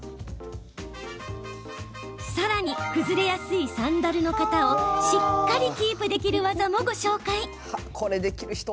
さらに崩れやすいサンダルの形をしっかりキープできる技もご紹介。